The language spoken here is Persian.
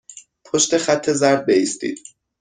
پشت خط زرد بایستید.